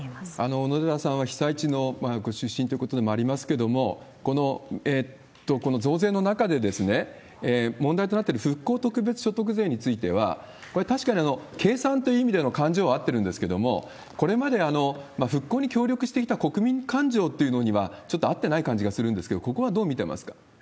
小野寺さんは被災地のご出身ということでもありますけれども、この増税の中で問題となっている復興特別所得税については、これ、確かに計算という意味での勘定は合ってるんですけれども、これまで復興に協力してきた国民感情というのには、ちょっと合ってない感じがするんですけれども、ここはどう見てますか？